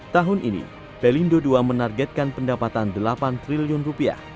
tahun ini pelindo ii menargetkan pendapatan delapan triliun rupiah